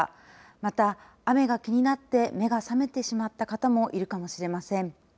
また、雨が気になって目が覚めてしまった方もいるかもしれません。